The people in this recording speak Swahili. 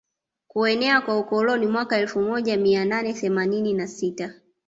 Kuenea kwa ukoloni Mwaka elfu moja mia nane themanini na sita